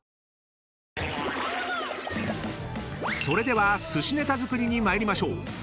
［それでは寿司ネタ作りに参りましょう］